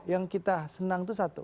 yang kita senang itu satu